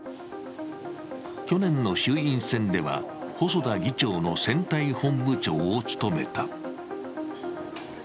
去年の衆院選では、細田議長の選対本部長を務めた。